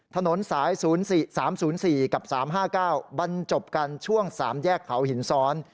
ถนนสาย๓๐๔กับ๓๕๙บรรจบกันช่วง๓แยกเขาหินซ้อน